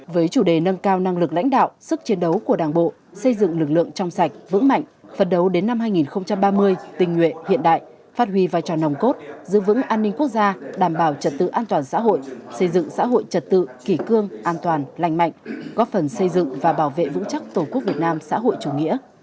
với chủ đề nâng cao năng lực lãnh đạo sức chiến đấu của đảng bộ xây dựng lực lượng trong sạch vững mạnh phật đầu đến năm hai nghìn ba mươi tình nguyện hiện đại phát huy vai trò nòng cốt giữ vững an ninh quốc gia đảm bảo trật tự an toàn xã hội xây dựng xã hội trật tự kỷ cương an toàn lành mạnh góp phần xây dựng và bảo vệ vững chắc tổ quốc việt nam xã hội chủ nghĩa